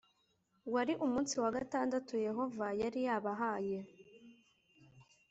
Wari umunsi wa gatandatu Yehova yari yabahaye.